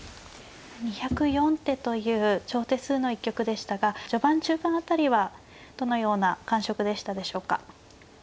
２０４手という長手数の一局でしたが序盤中盤辺りはどのような感触でしたでしょうか？